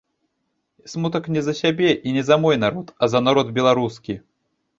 Смутак не за сябе і не за мой народ, а за народ беларускі.